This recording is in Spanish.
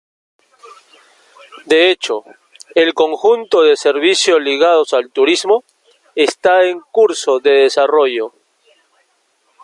De hecho, el conjunto de servicios ligados al turismo, está en curso de desarrollo.